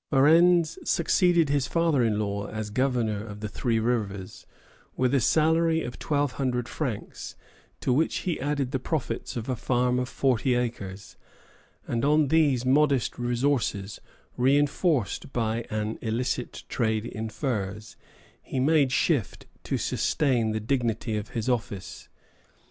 Varennes succeeded his father in law as governor of Three Rivers, with a salary of twelve hundred francs, to which he added the profits of a farm of forty acres; and on these modest resources, reinforced by an illicit trade in furs, he made shift to sustain the dignity of his office.